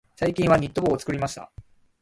最近はニット帽を作りました。